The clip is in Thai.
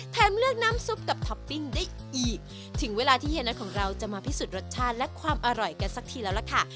เลือกน้ำซุปกับท็อปปิ้งได้อีกถึงเวลาที่เฮียน็อตของเราจะมาพิสูจน์รสชาติและความอร่อยกันสักทีแล้วล่ะค่ะ